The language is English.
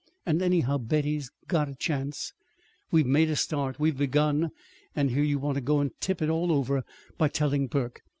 "And, anyhow, Betty's got a chance. We've made a start. We've begun. And here you want to go and tip it all over by telling Burke.